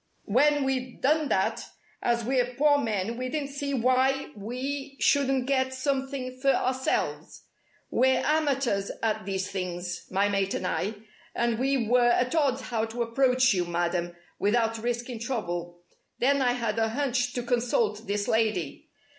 When we'd done that, as we're poor men we didn't see why we shouldn't get something for ourselves. We're amateurs at these things, my mate and I, and we were at odds how to approach you, Madam, without risking trouble. Then I had a 'hunch' to consult this lady.